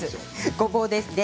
ごぼうですね。